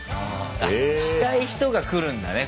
したい人が来るんだね